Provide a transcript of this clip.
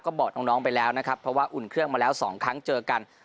ก็บอกน้องไปแล้วนะครับเพราะว่าอุ่นเครื่องมาแล้ว๒ครั้งเจอกัน